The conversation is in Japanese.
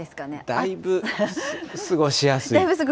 だいぶ過ごしやすい。